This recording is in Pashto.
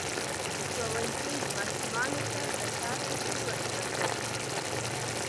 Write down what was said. ښوونځی ماشومانو ته د کار اصول ورزده کوي.